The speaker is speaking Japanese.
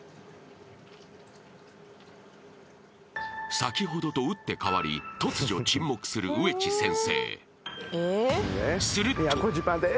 ［先ほどと打って変わり突如沈黙する上地先生］